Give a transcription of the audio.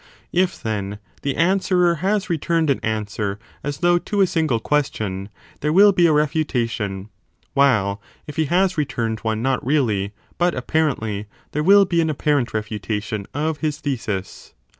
If, then, the answerer has returned an answer as though to a single question, there will be a refu tation ; while if he has returned one not really but appar ently, there will be an apparent refutation of his thesis.